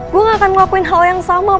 gue gak akan ngelakuin hal yang sama